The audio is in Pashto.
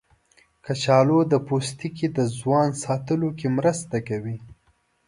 کچالو د پوستکي د ځوان ساتلو کې مرسته کوي.